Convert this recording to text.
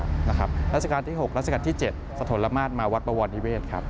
ราชกาลที่๖ราชกาลที่๗สะทนละมาฆมาวัดปะวรนิเวศ